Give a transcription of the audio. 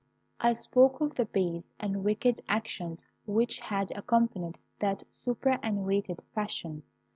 I spoke of the base and wicked actions which had accompanied that superannuated passion.